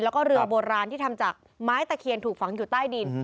แล้วก็เรือโบราณที่ทำจากไม้ตะเคียนถูกฝังอยู่ใต้ดิน